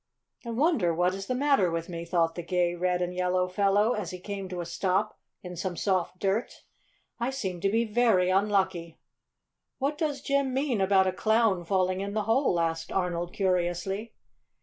"I wonder what is the matter with me!" thought the gay red and yellow fellow as he came to a stop in some soft dirt. "I seem to be very unlucky!" "What does Jim mean about a Clown falling in the hole?" asked Arnold curiously.